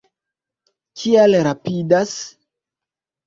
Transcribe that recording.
Kial rapidas?